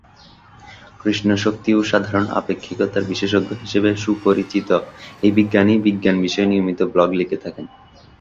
কৃষ্ণ শক্তি ও সাধারণ আপেক্ষিকতার বিশেষজ্ঞ হিসেবে সুপরিচিত এই বিজ্ঞানী বিজ্ঞান বিষয়ে নিয়মিত ব্লগ লিখে থাকেন।